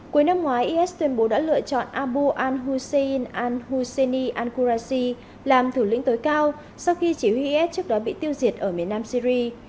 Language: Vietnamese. cuối năm ngoái is tuyên bố đã lựa chọn abu al hussein al husseini al qurasi làm thủ lĩnh tối cao sau khi chỉ huy is trước đó bị tiêu diệt ở miền nam syrie